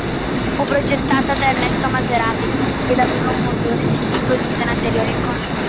Fu progettata da Ernesto Maserati, ed aveva un motore in posizione anteriore inconsueto.